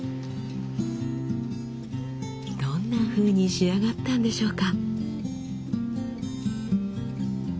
どんなふうに仕上がったんでしょうか？